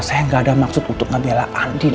saya ga ada maksud untuk ngebela andin